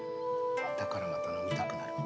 だからまた飲みたくなる。